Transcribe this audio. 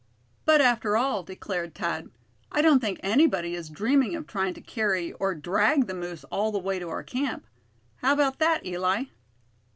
"But after all," declared Thad, "I don't think anybody is dreaming of trying to carry, or drag the moose all the way to our camp. How about that, Eli?"